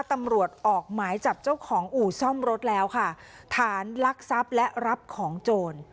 ตำรวจออกหมายจับเจ้าของอู่ซ่อมรถแล้วค่ะฐานลักทรัพย์และรับของโจร